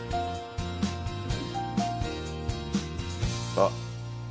あっ。